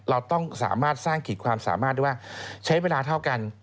เราต้องสามารถสร้างขีดความสามารถด้วยว่าใช้เวลาเท่ากัน